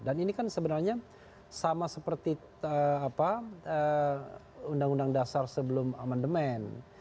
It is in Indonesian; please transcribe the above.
dan ini kan sebenarnya sama seperti apa undang undang dasar sebelum aman demand